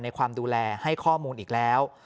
ความดูแลให้ข้อมูลอีกแล้ว